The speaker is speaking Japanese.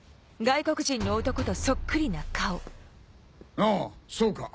あぁそうか。